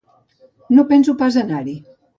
No penso pas anar-hi.